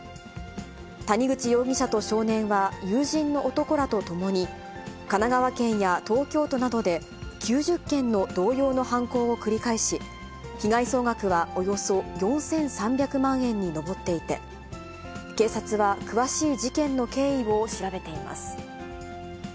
谷口容疑者と少年は、友人の男らと共に、神奈川県や東京都などで、９０件の同様の犯行を繰り返し、被害総額はおよそ４３００万円に上っていて、警察は詳しい事件の経緯を調べています。